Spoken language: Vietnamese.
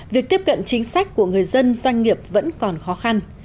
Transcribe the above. việc tiếp cận chính sách của người dân doanh nghiệp vẫn còn khó khăn